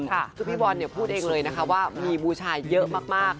คือพี่บอลพูดเองเลยนะคะว่ามีบูชาเยอะมาก